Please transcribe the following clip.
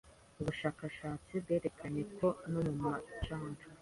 ubushakashatsi bwerekanye ko no mu macandwe,